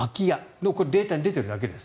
データに出ているだけです。